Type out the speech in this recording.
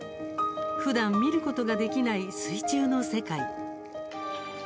ふだん見ることができない水中の世界。